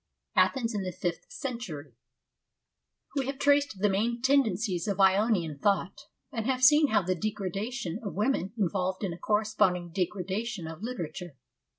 — Athens in the Fifth Century We have traced the main tendencies of Ionian thought, and have seen how the degradation of women involved a corresponding degradation of literature.